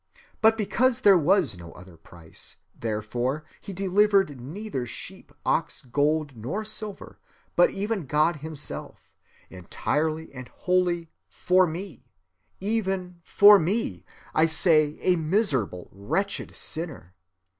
But because there was no other price, therefore he delivered neither sheep, ox, gold, nor silver, but even God himself, entirely and wholly 'for me,' even 'for me,' I say, a miserable, wretched sinner.